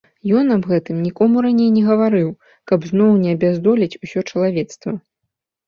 Ён аб гэтым нікому раней не гаварыў, каб зноў не абяздоліць усё чалавецтва.